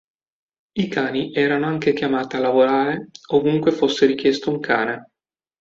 I cani erano anche chiamati a lavorare ovunque fosse richiesto un cane.